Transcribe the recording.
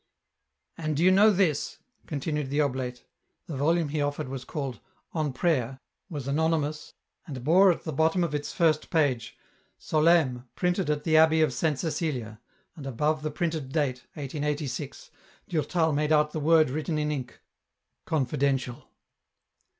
" And do you know this ?" continued the oblate ; the volume he offered was called " On Prayer," was anonymous, and bore at the bottom of its first page " Solesmes, printed at the Abbey of Saint Cecilia," and above the printed date, 1886, Durtal made out the word written in ink, "Con fidential."